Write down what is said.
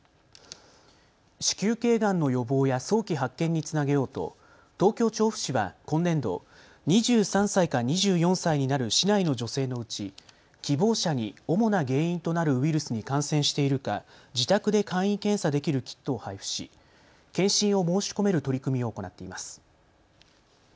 子宮頸がんの予防や早期発見につなげようと東京調布市は今年度、２３歳から２４歳になる市内の女性のうち希望者に主な原因となるウイルスに感染しているか自宅で簡易検査できるキットを配布し、検診を申し込める取り組みを行っています。